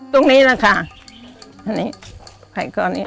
ตรงนี้นะคะไผ่กอนี้